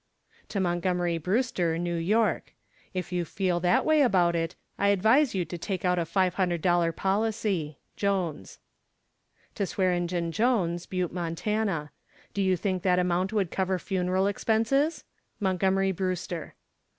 To MONTGOMERY BREWSTER, New York. If you feel that way about it, I advise you to take out a $500 policy. JONES. TO SWEARENGEN JONES, Butte, Mont. Do you think that amount would cover funeral expenses? MONTGOMERY BREWSTER.